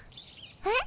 えっ？